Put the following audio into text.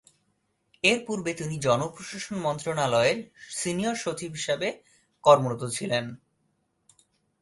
এর পূর্বে তিনি জনপ্রশাসন মন্ত্রণালয়ের সিনিয়র সচিব হিসেবে কর্মরত ছিলেন।